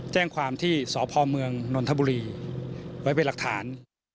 แจ้งความที่สพเมืองนนทบุรีไว้เป็นหลักฐาน